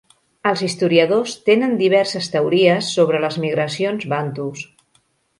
Els historiadors tenen diverses teories sobre les migracions bantus.